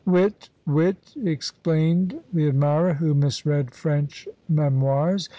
"Wit! wit!" explained the admirer, who misread French memoirs.